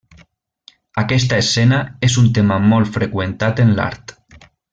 Aquesta escena és un tema molt freqüentat en l'art.